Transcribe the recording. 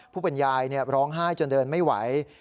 ผู้เป็นยายร้องไห้จนเดินไม่ไหว